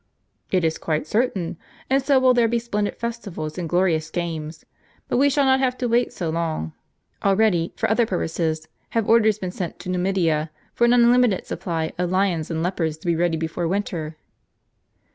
" "It is quite certain ; and so will there be splendid festivals and glorious games. But we shall not have to wait so long; already, for other purposes, have orders been sent to Numidia for an unlimited supply of lions and leopards to be ready before winter."